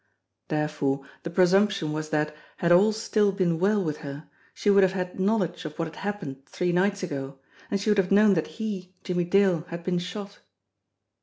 There fore the presumption was that, had all still been well with her, she would have had knowledge of what had happened three nights ago, and she would have known that he, Jimmie Dale, had been shot.